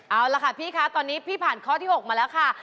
เอาล่ะค่ะพี่คะตอนนี้พี่ผ่านข้อที่๖มาแล้วค่ะ